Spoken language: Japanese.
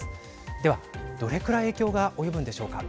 では、どれぐらい影響が及ぶんでしょうか。